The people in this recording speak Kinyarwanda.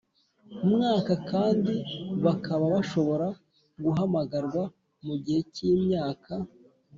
Mwaka kandi bakaba bashobora guhamagarwa mu gihe cy imyaka